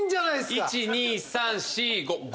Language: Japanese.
１、２、３、４、５。